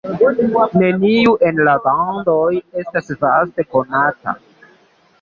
Neniu el la bandoj estas vaste konata.